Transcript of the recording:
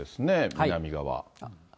南側。